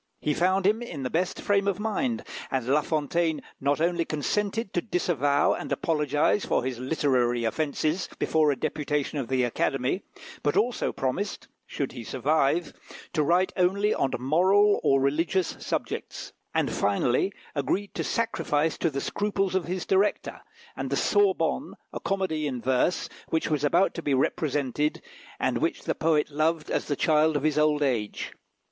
He found him in the best frame of mind, and La Fontaine not only consented to disavow and apologise for his literary offences before a deputation of the Academy, but also promised, should he survive, to write only on moral or religious subjects; and, finally, agreed to sacrifice to the scruples of his director, and the Sorbonne, a comedy in verse, which was about to be represented, and which the poet loved as the child of his old age.